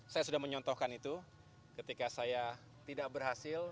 saya sudah menyontohkan itu ketika saya tidak berhasil